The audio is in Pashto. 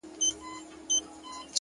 هوډ د ناممکن کلمه کمزورې کوي.!